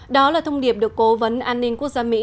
đó là thông điệp được cố vấn an ninh quốc gia mỹ